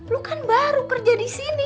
lu kan baru kerja disini